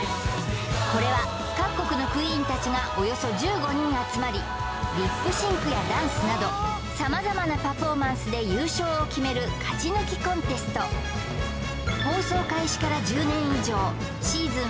これは各国のクイーンたちがおよそ１５人集まりリップシンクやダンスなどさまざまなパフォーマンスで優勝を決める勝ち抜きコンテスト私いいじゃん！